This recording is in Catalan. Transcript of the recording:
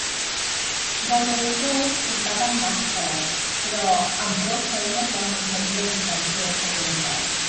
Gairebé tots portaven màscares, però amb prou feines van mantenir la distància de seguretat.